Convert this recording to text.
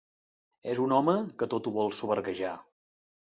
És un home que tot ho vol soberguejar.